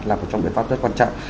là một trong biện pháp rất quan trọng